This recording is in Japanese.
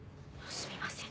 すみません。